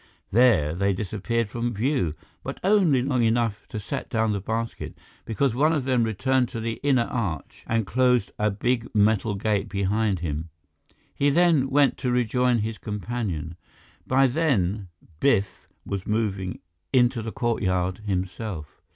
There they disappeared from view but only long enough to set down the basket, because one of them returned to the inner arch and closed a big metal gate behind him. He then went to rejoin his companion. By then, Biff was moving into the courtyard himself.